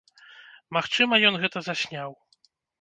Магчыма ён гэта засняў.